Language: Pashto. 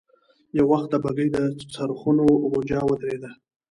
يو وخت د بګۍ د څرخونو غنجا ودرېده.